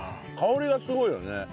香りがすごいよね